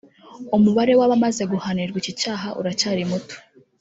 umubare w’abamaze guhanirwa iki cyaha uracyari muto